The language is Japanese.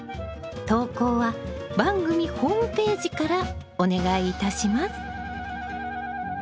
投稿は番組ホームページからお願いいたします。